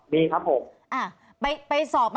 มีครับผม